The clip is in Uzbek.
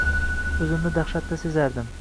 O`zimni dahshatda sezardim